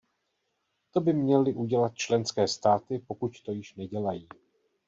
To by měly udělat členské státy, pokud to již nedělají.